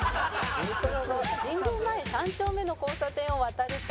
その後神宮前三丁目の交差点を渡ると